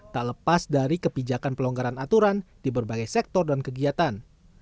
tak lepas dari kebijakan pelonggaran aturan di berbagai sektor dan kegiatan